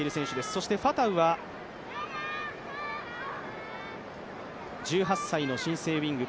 そしてファタウは１８歳の新星ウイング。